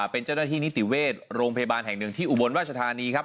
เป็นเจ้าหน้าที่นิติเวชโรงพยาบาลแห่งหนึ่งที่อุบลราชธานีครับ